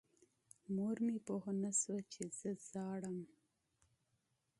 مور مې پوه نه شوه چې زه ژاړم.